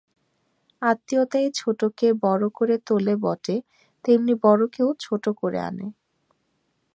আত্মীয়তায় ছোটোকে বড়ো করে তোলে বটে, তেমনি বড়োকেও ছোটো করে আনে।